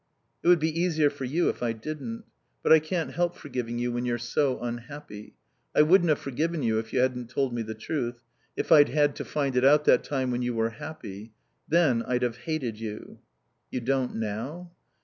"It would be easier for you if I didn't. But I can't help forgiving you when you're so unhappy. I wouldn't have forgiven you if you hadn't told me the truth, if I'd had to find it out that time when you were happy. Then I'd have hated you." "You don't now?"